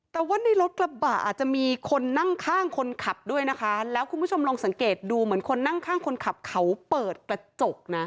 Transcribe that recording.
แต่ว่าในรถกระบะอาจจะมีคนนั่งข้างคนขับด้วยนะคะแล้วคุณผู้ชมลองสังเกตดูเหมือนคนนั่งข้างคนขับเขาเปิดกระจกนะ